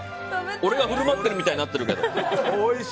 俺がふるまってるみたいになってるけど。